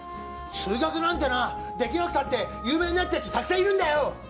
数学なんてできなくたって有名になったやつたくさんいるんだよ！